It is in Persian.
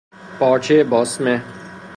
پارچهٔ باسمه